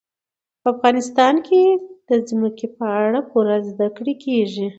په افغانستان کې د ځمکه په اړه پوره زده کړه کېږي.